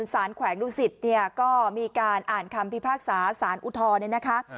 สารแขวงดุสิตก็มีการอ่านคำพิพากษาสารอุทธรณ์